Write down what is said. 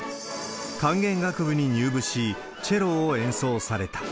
管弦楽部に入部し、チェロを演奏された。